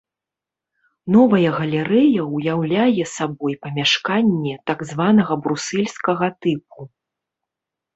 Новая галерэя ўяўляе сабой памяшканне так званага брусельскага тыпу.